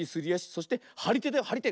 そしてはりてだよはりて。